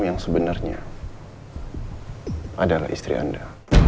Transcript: dia lagi berada di luar sini